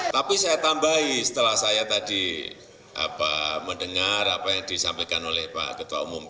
tapi saya tambahi setelah saya tadi mendengar apa yang disampaikan oleh pak ketua umum